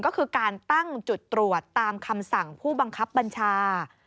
ก็คือการตั้งจุดตรวจตามคำสั่งผู้บังคับบัญชา